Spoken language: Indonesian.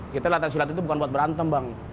kita latihan silat itu bukan buat berantem bang